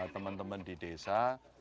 teman teman di desa